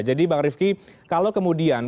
jadi bang rifki kalau kemudian